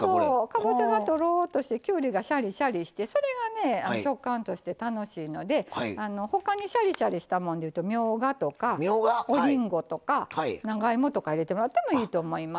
かぼちゃがとろっとしてきゅうりがシャリシャリしてそれがね食感として楽しいので他にシャリシャリしたもんでいうとみょうがとかおりんごとか長芋とか入れてもらってもいいと思います。